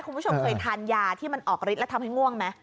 คุณผู้ชมเคยทานยาที่มันออกฤทธิแล้วทำให้ง่วงไหม